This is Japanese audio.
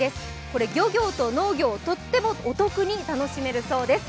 これ漁業と農業をとってもお得に楽しめるそうです。